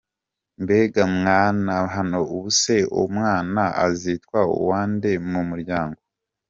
mbegamwhano ubuse uwomwwna azitwa uwande mumuryango?.